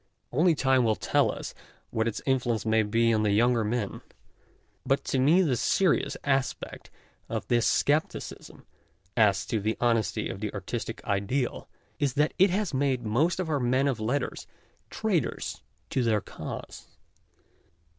Only time will tell us what its influence may be on the younger men. But TRAITORS OF ART 87 to me the serious aspect of this scepticism as to the honesty of the artistic ideal is that it has made most of our men of letters traitors to their cause.